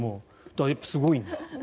だから、すごいんだ。